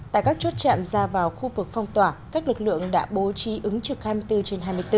tại các chốt chạm ra vào khu vực phong tỏa các lực lượng đã bố trí ứng trực hai mươi bốn trên hai mươi bốn